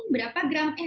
berapa gram jus ini